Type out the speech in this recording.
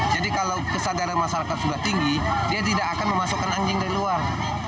jadi kalau kesadaran masyarakat sudah tinggi dia tidak akan memasukkan anjing dari luar